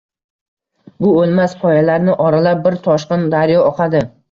Bu oʻlmas qoyalarni oralab, bir toshqin daryo oqadi